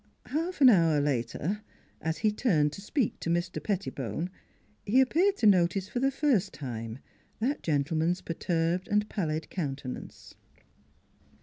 Half an hour later as he turned to speak to Mr. Petti bone, he appeared to notice for the first time that gentleman's perturbed and pallid countenance.